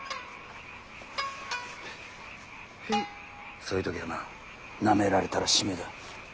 そういう時はななめられたらしめえだ。